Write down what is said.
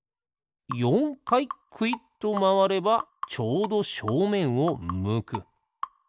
かいくいっとまわればちょうどしょうめんをむく。